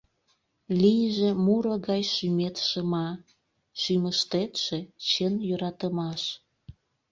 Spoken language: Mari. Лийже муро гай шӱмет шыма, Шӱмыштетше — Чын йӧратымаш.